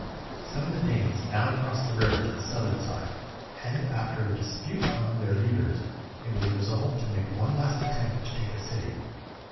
Some of the Danes now crossed the river to the southern side, and after a dispute among their leaders it was resolved to make one last attempt to take the city.